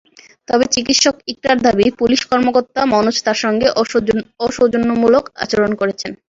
তবে চিকিৎসক ইকরার দাবি, পুলিশ কর্মকর্তা মনোজ তাঁর সঙ্গে অসৌজন্যমূলক আচরণ করেছেন।